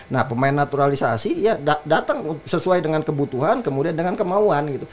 nah pemain naturalisasi ya datang sesuai dengan kebutuhan kemudian dengan kemauan gitu